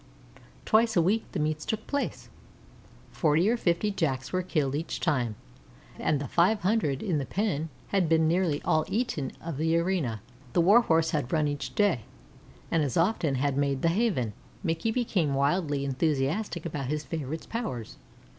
Twice a week the meets took place; forty or fifty Jacks were killed each time, and the five hundred in the pen had been nearly all eaten of the arena. The Warhorse had run each day, and as often had made the Haven. Mickey became wildly enthusiastic about his favorite's powers.